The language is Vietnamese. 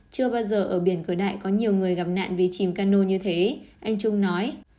chưa bao giờ ở biển cửa đại có nhiều người gặp nạn vì chìm cano như thế anh trung nói